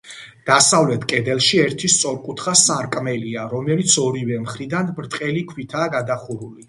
დასავლეთ კედელში ერთი სწორკუთხა სარკმელია, რომელიც ორივე მხრიდან ბრტყელი ქვითაა გადახურული.